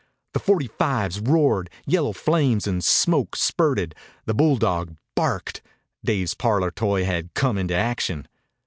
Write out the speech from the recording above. The forty fives roared. Yellow flames and smoke spurted. The bulldog barked. Dave's parlor toy had come into action.